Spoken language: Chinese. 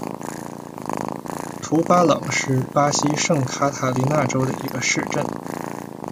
图巴朗是巴西圣卡塔琳娜州的一个市镇。